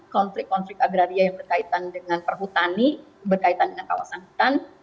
konflik konflik agraria yang berkaitan dengan perhutani berkaitan dengan kawasan hutan